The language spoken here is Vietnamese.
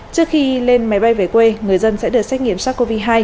trước khi lên máy bay về quê người dân sẽ được xét nghiệm sars cov hai